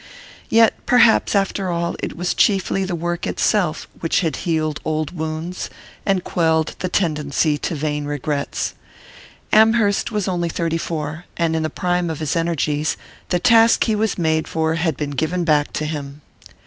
Yet perhaps, after all, it was chiefly the work itself which had healed old wounds, and quelled the tendency to vain regrets. Amherst was only thirty four; and in the prime of his energies the task he was made for had been given back to him.